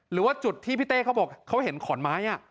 หรือว่าจุดที่พี่เต้เขาบอกเขาเห็นขอนไม้